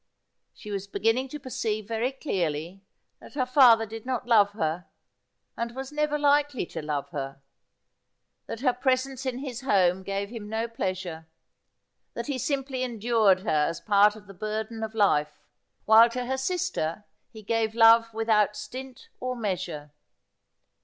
She was beginning to perceive very clearly that her father did not love her, and was never likely to love her, that her presence in his home gave him no pleasure, that he simply endured her as part of the burden of life, while to her sister he gave love without stint or measure.